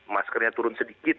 maskernya turun sedikit